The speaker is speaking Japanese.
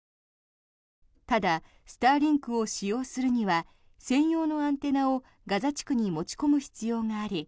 ただスターリンクを使用するには専用のアンテナをガザ地区に持ち込む必要があり